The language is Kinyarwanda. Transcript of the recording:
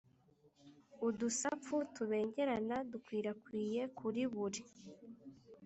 Udusapfu tubengerana dukwirakwiye kuri buri